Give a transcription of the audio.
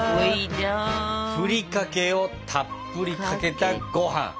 ふりかけをたっぷりかけたご飯！